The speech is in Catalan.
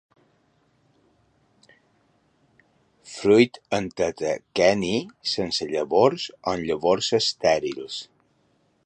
Fruit en tetraqueni, sense llavors o amb llavors estèrils.